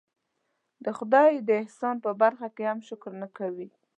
د خدای د احسان په برخه کې هم شکر نه کوي.